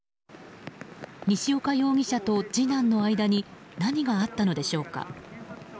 西岡容疑者と次男の間に何があったでしょうか。